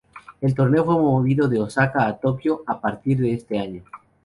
El torneo fue movido de Osaka a Tokio a partir de este año.